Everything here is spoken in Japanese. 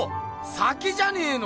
「鮭」じゃねえの！